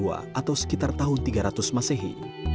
atau sekitar tahun tiga ratus masehi